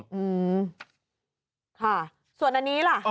อืมค่ะส่วนอันนี้ล่ะ